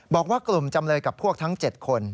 บอกว่ากลุ่มจำเลยกับพวกทั้ง๗คน